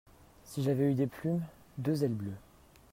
Si j'avais eu des plumes, deux ailes bleues.